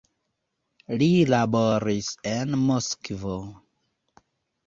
Li laboris en Moskvo.